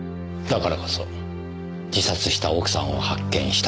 だからこそ自殺した奥さんを発見した時。